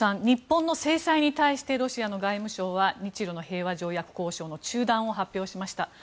日本の制裁に対してロシアの外務省は日露の平和条約交渉の中断を発表しました。